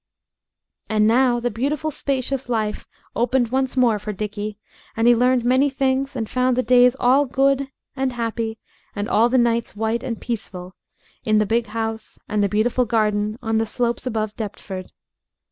And now the beautiful spacious life opened once more for Dickie, and he learned many things and found the days all good and happy and all the nights white and peaceful, in the big house and the beautiful garden on the slopes above Deptford.